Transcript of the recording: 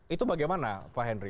itu bagaimana pak henry